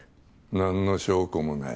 何の証拠もない。